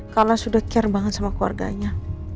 karena sudah care banget sama keluarganya